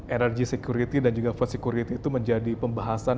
energy security dan juga food security itu menjadi pembahasan